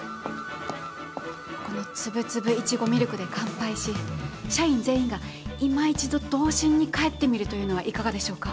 このつぶつぶいちごミルクで乾杯し社員全員がいま一度童心に返ってみるというのはいかがでしょうか。